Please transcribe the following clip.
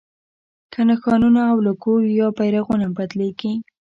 که نښانونه او لوګو یا بیرغونه بدلېږي.